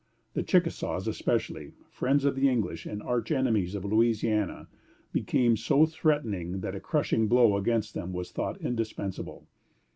The Chickasaws especially, friends of the English and arch enemies of Louisiana, became so threatening that a crushing blow against them was thought indispensable.